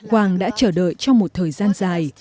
wang đã chờ đợi trong một thời gian dài